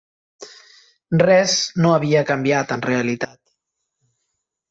Res no havia canviat en realitat.